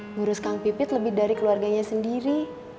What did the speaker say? ngurus kang pipit lebih dari keluarganya sendiri